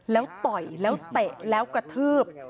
แล้วต่อยแล้วเตะแล้วกระทืบ